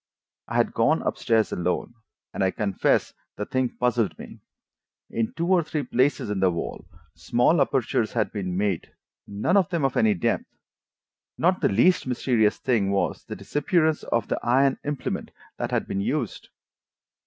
I had gone up stairs alone, and I confess the thing puzzled me: in two or three places in the wall small apertures had been made, none of them of any depth. Not the least mysterious thing was the disappearance of the iron implement that had been used.